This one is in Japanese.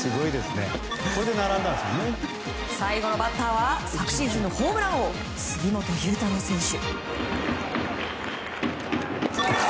最後のバッターは昨シーズンのホームラン王杉本裕太郎選手。